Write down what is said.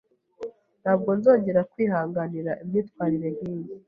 Ntabwo nzongera kwihanganira imyitwarire nkiyi.